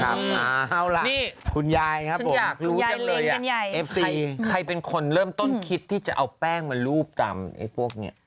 ของคุณยายครับผมใครเป็นคนเริ่มต้นคิดที่จะเอาแป้งมารูปจำพวกนี้